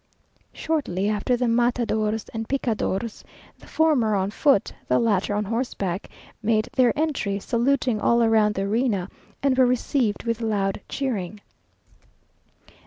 Shortly after the matadors and picadors, the former on foot, the latter on horseback, made their entry, saluting all around the arena, and were received with loud cheering.